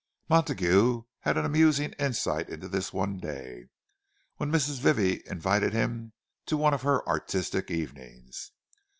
Montague had an amusing insight into this one day, when Mrs. Vivie invited him to one of her "artistic evenings."